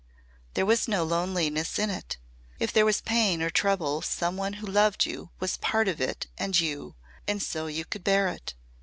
There was no loneliness in it. If there was pain or trouble some one who loved you was part of it and you, and so you could bear it.